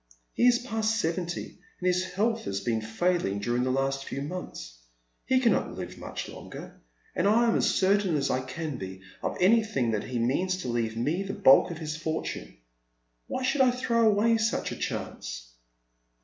He is past seventy, and his health has been failing during the last few months. He cannot livo much longer, and I am as certain as I can be of anything that he means to leave me the bulk of his fortune. Why should I throw away such a chance